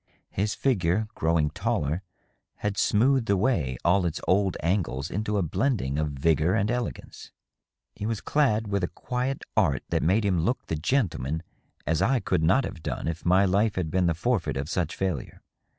His figure, growing taller, had smoothed away all its old angles into a blending of vigor and elegance. He was clad with a quiet art that made him look the gentleman as I could not have done if my life had been the forfeit of such failure.